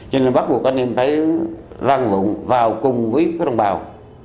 cho nên bắt buộc anh em phải vang vụng vào cùng với các đồng bào